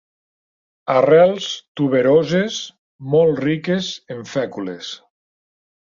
Arrels tuberoses molt riques en fècules.